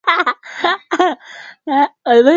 huku mkutano ujao kipagwa kufanyika nchini afrika kusini